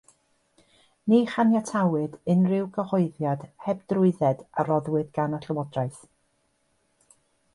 Ni chaniatawyd unrhyw gyhoeddiad heb drwydded a roddwyd gan y llywodraeth.